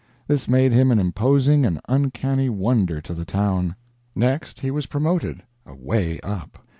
This made him an imposing and uncanny wonder to the town. Next, he was promoted away up.